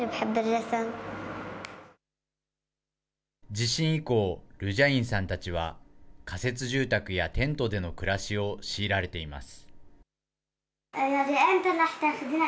地震以降、ルジャインさんたちは、仮設住宅やテントでの暮らしを強いられています。